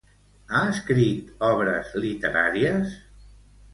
Ha escrit obres literàries?